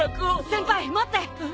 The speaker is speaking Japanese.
先輩待って！